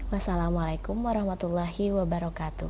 wassalamualaikum warahmatullahi wabarakatuh